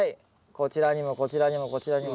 こちらにもこちらにもこちらにも。